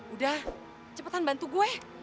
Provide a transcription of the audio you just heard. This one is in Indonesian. udah cepetan bantu gue